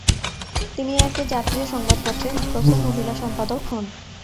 তিনি একটি জাতীয় সংবাদপত্রের প্রথম মহিলা সম্পাদক হন।